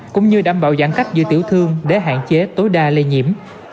cũng như đảm bảo giãn cách giữa tiểu thương để hạn chế tối đa lây nhiễm